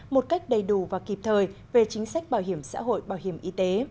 một cách đầy đủ và kịp thời về chính sách bảo hiểm xã hội bảo hiểm y tế